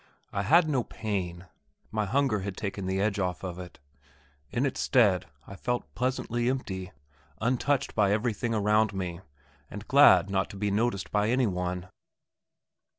I had no pain my hunger had taken the edge off it. In its stead I felt pleasantly empty, untouched by everything around me, and glad not to be noticed by any one.